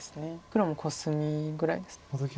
黒もコスミぐらいです。